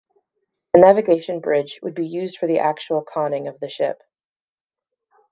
A navigation bridge would be used for the actual conning of the ship.